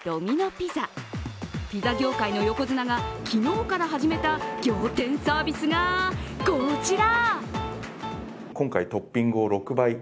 ピザ業界の横綱が昨日から始めた仰天サービスがこちら！